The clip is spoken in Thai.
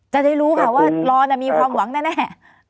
จะได้รู้ค่ะว่ารอมีความหวังแน่